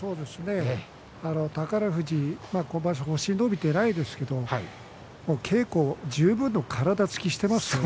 宝富士、今場所星が伸びていないですけれど稽古十分の体つきをしてますよね。